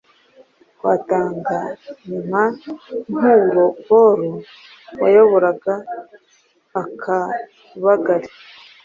twatanga ni nka Nturo Paul wayoboraga Akabagali